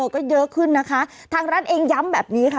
ก็เยอะขึ้นนะคะทางรัฐเองย้ำแบบนี้ค่ะ